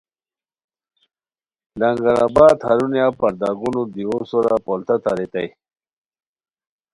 لنگر آباد ہرونیہ پرداگونو دیوو سورا پولتا تاریتائے